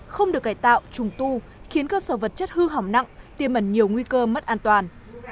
không được cải tạo trùng tu khiến cơ sở vật chất hư hỏng nặng tiêm ẩn nhiều nguy cơ mất an toàn